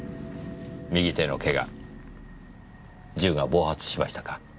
右手のケガ銃が暴発しましたか？